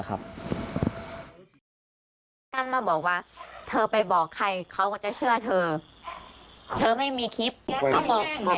เขาบอกว่าห้ามเอาโทรศัพท์เข้าห้องห้ามมีเสียงรบกวน